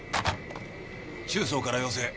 中操から要請。